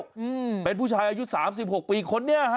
อืมเป็นผู้ชายอายุ๓๖ปีคนนี้ฮะ